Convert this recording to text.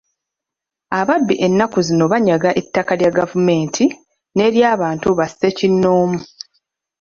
Ababbi ennaku zino banyaga ettaka lya gavumenti n'ery'abantu ba ssekinnoomu.